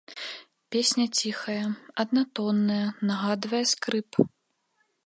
Песня ціхая, аднатонная, нагадвае скрып.